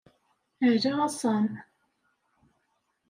Ala a Sam!